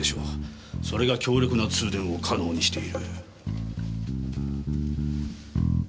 それが強力な通電を可能にしている。